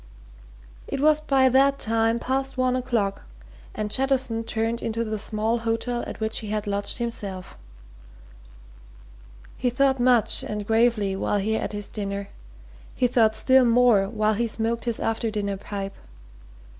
It was by that time past one o'clock, and Jettison turned into the small hotel at which he had lodged himself. He thought much and gravely while he ate his dinner; he thought still more while he smoked his after dinner pipe.